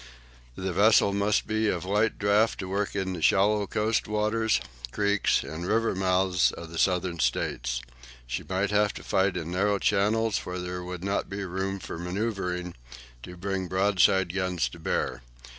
The vessel must be of light draught to work in the shallow coast waters, creeks, and river mouths of the Southern States. She might have to fight in narrow channels, where there would not be room for manoeuvring to bring broadside guns to bear.